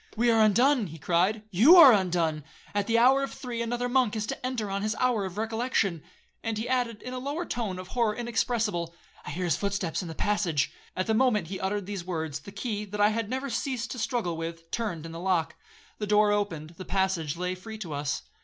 'We are undone,' he cried; 'you are undone. At the hour of three another monk is to enter on his hour of recollection.' And he added, in a lower tone of horror inexpressible, 'I hear his steps in the passage.' At the moment he uttered these words, the key, that I had never ceased to struggle with, turned in the lock. The door opened, the passage lay free to us.